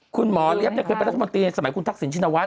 คุณหมอเลี้ยเคยเป็นรัฐมนตรีในสมัยคุณทักษิณชินวัฒ